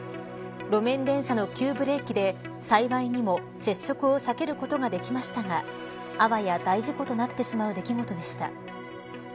路面電車の急ブレーキで幸いにも、接触を避けることができましたがあわや大事故となってしまう出来事でした。